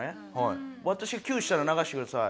私キューしたら流してください。